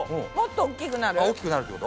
もっと大きくなる？